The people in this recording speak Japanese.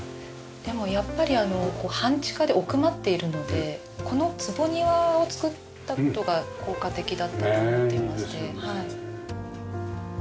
でもやっぱり半地下で奥まっているのでこの坪庭を作った事が効果的だったと思っていましてはい。